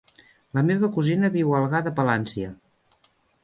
La meva cosina viu a Algar de Palància.